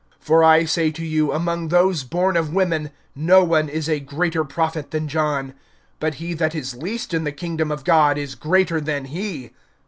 (28)For I say to you, among those born of women, no one is a greater prophet than John; but he that is least in the kingdom of God is greater than he.